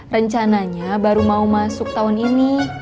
rencananya baru mau masuk tahun ini